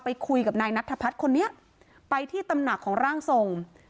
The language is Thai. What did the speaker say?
คุยกับนายนัทพัฒน์คนนี้ไปที่ตำหนักของร่างทรง